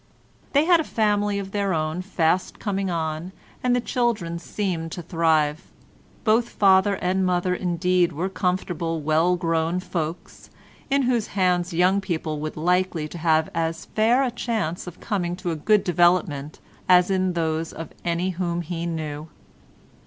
They had a family of their own fast coming on and the children seemed to thrive; both father and mother indeed were comfortable well grown folks, in whose hands young people would be likely to have as fair a chance of coming to a good development as in those of any whom he knew.